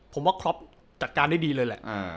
ผมว่าครอปจัดการได้ดีเลยแหละ